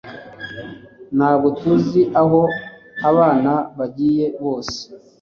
Ntabwo tuzi aho abana bagiye bose